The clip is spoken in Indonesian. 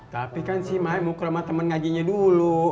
tapi kan si mae mau ke rumah temen haji nya dulu